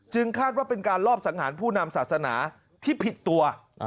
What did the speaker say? คาดว่าเป็นการลอบสังหารผู้นำศาสนาที่ผิดตัว